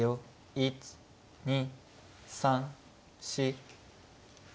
１２３４。